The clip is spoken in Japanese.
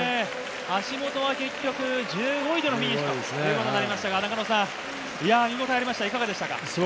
橋本は結局、１５位でのフィニッシュということになりましたが、中野さん、いや、見応えありました、いかがでしたか？